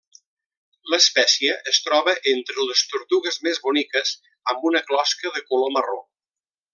L'espècie es troba entre les tortugues més boniques, amb una closca de color marró.